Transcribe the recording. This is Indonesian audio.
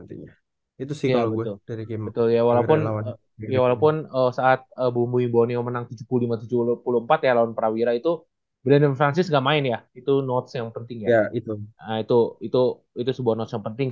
itu sebuah notes yang penting